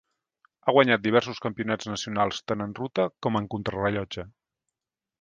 Ha guanyat diversos campionats nacionals tant en ruta com en contrarellotge.